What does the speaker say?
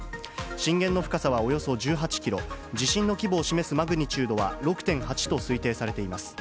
震源の深さはおよそ１８キロ、地震の規模を示すマグニチュードは６．８と推定されています。